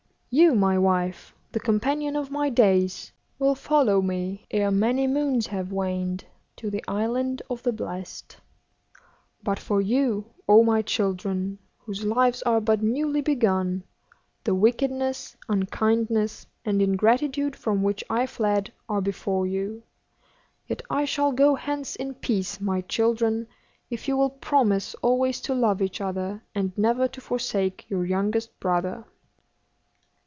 'You, my wife, the companion of my days, will follow me ere many moons have waned to the island of the blest. But for you, O my children, whose lives are but newly begun, the wickedness, unkindness, and ingratitude from which I fled are before you. Yet I shall go hence in peace, my children, if you will promise always to love each other, and never to forsake your youngest brother.